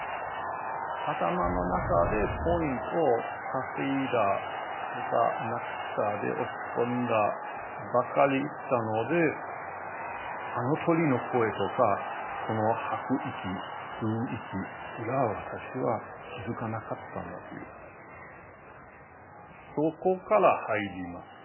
頭の中でポイントを稼いだとか無くしたで落ち込んだばかりいったのであの鳥の声とかこの吐く息吸う息すら私は気付かなかったんだというそこから入りますね。